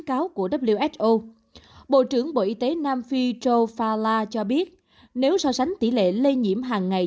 giáo của who bộ trưởng bộ y tế nam phi joe fala cho biết nếu so sánh tỷ lệ lây nhiễm hàng ngày